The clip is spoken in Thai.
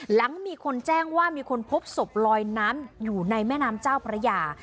หลังมีคนแจ้งว่ามีคนพบศพลอยน้ำอยู่ในแม่น้ำเจ้าพระยา